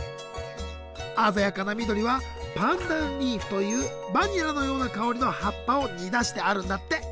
鮮やかな緑はパンダンリーフというバニラのような香りの葉っぱを煮出してあるんだって。